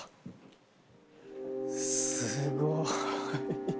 すごい。